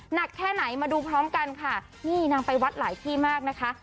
หนักแค่ไหนมาดูพร้อมกันค่ะนี่นางไปวัดหลายที่มากนะคะ